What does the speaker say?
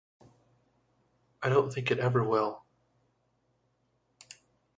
I don't think it ever will.